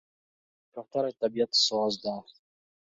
کوتره د طبیعت ساز ده.